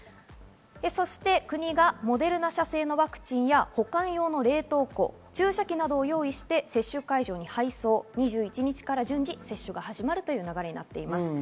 国がモデルナ社製のワクチンや保管用の冷凍庫を注射器などを用意して接種会場に配送、２１日から順次接種が始まるという流れです。